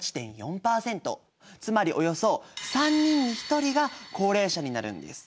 つまりおよそ３人に１人が高齢者になるんです。